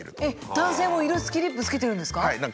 男性も色つきリップつけてるんですか？